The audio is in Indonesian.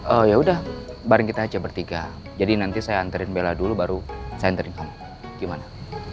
oh ya udah bareng kita aja bertiga jadi nanti saya hantarin bella dulu baru saya hantarin kamu gimana